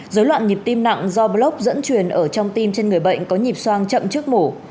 dối loạn nhịp tim nặng do blog dẫn truyền ở trong tim trên người bệnh có nhịp soang chậm trước mổ